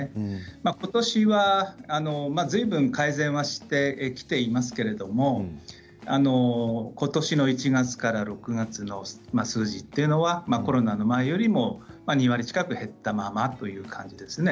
ことしはずいぶん改善はしてきていますけれどもことしの１月から６月の数字というのはコロナの前よりも２割近く減ったままという感じですね。